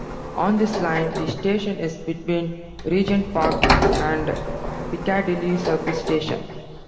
On this line, the station is between Regent's Park and Piccadilly Circus stations.